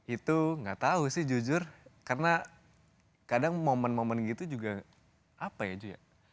itu gak tau sih jujur karena kadang momen momen gitu juga apa ya ju